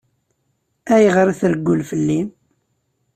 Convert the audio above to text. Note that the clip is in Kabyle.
Ayɣer i treggel fell-i?